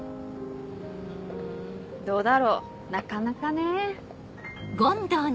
うんどうだろなかなかね。